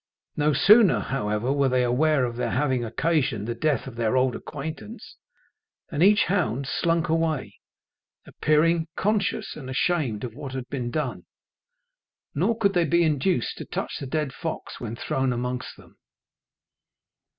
No sooner, however, were they aware of their having occasioned the death of their old acquaintance, than each hound slunk away, appearing conscious and ashamed of what had been done, nor could they be induced to touch the dead fox when thrown amongst them.